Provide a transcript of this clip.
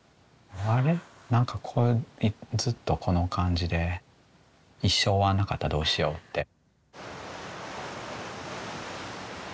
あれ何かこれずっとこの感じで一生終わんなかったらどうしよって。